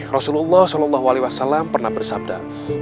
rasulullah saw pernah bersabda